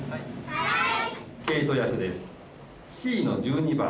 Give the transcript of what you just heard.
はい！